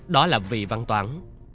đó là vì văn toán